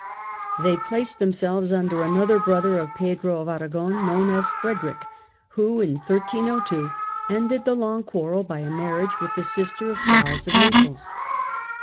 They placed themselves under another brother of Pedro of Aragon known as Frederick, who in 1302 ended the long quarrel by a marriage with the sister of Charles of Naples.